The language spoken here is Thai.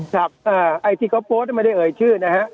ไอ้ที่เขาโพสต์ไม่ได้เอ่ยชื่อนะฮะ